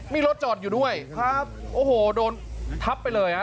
มีรถจอดอยู่ด้วยครับโอ้โหโดนทับไปเลยฮะ